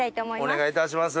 お願いいたします。